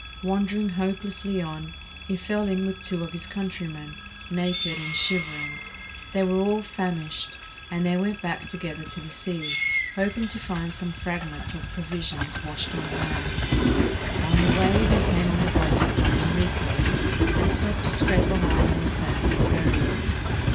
Wandering hopelessly on, he fell in with two of his countrymen, naked and shivering. They were all famished, and they went back together to the sea, hoping to find some frag ments of provisinos washed on land. On the way they came on the body of Don Enriquez and stopped to scrape a hole in the sand and bury it.